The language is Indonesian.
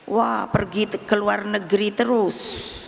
wah pergi ke luar negeri terus